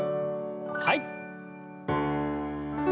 はい。